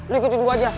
dikucurin gua aja